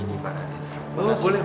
bukannya budget pertanianoriented